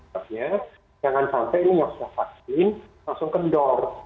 maksudnya jangan sampai ini yang sudah vaksin langsung kendor